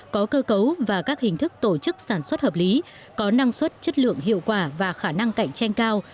có cơ cấu và các hình thức tổ chức sản xuất hợp lý có năng suất chất lượng hiệu quả và khả năng cạnh tranh cao